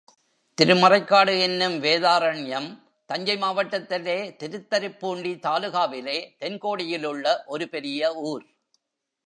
திருமறைக்காடு என்னும் வேதாரண்யம் தஞ்சை மாவட்டத்திலே திருத்தருப்பூண்டி தாலூகாவிலே தென் கோடியில் உள்ள ஒரு பெரிய ஊர்.